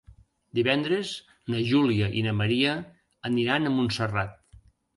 Divendres na Júlia i na Maria aniran a Montserrat.